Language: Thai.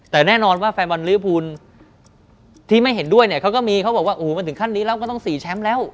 แต่แน่นอนว่าแฟนบอลลิวภูที่ไม่เห็นด้วยเนี่ยเขาก็มีเขาบอกว่าโอ้โหมันถึงขั้นนี้แล้วก็ต้อง๔แชมป์แล้ว